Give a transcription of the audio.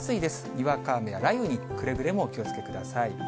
にわか雨や雷雨にくれぐれもお気をつけください。